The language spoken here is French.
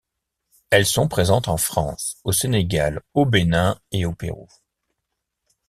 Elles sont présentes en France, au Sénégal, au Bénin et au Pérou.